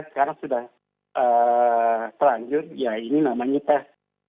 sekarang sudah terlanjur ya ini namanya tes